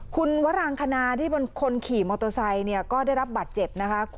คุณวรางคณาที่เป็นคนขี่มอเตอร์ไซค์เนี่ยก็ได้รับบัตรเจ็บนะคะ